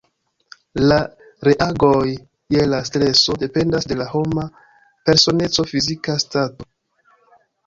La reagoj je la streso dependas de la homa personeco, fizika stato.